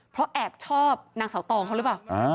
เพราะแอบชอบนางเสาตองเขาหรือเปล่า